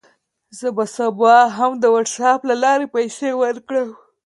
زه به سبا هم د وټساپ له لارې پیسې ورکړم.